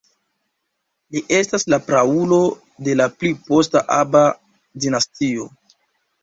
Li estas la praulo de la pli posta Aba-dinastio.